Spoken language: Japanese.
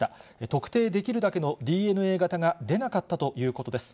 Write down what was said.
特定できるだけのＤＮＡ型が出なかったということです。